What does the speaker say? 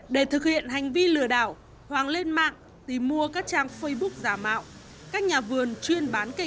để thực hiện hành vi lừa đảo hoàng lên mạng tìm mua các trang facebook giả mạo các nhà vườn chuyên bán cây